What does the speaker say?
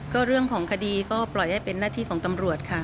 ก็เรื่องของคดีก็ปล่อยให้เป็นหน้าที่ของตำรวจค่ะ